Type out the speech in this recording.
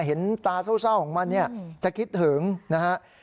เห็นตาเศร้าของมันเนี่ยจะคิดถึงนะฮะ